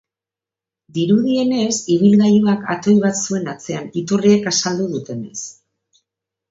Dirudienez, ibilgailuak atoi bat zuen atzean, iturriek azaldu dutenez.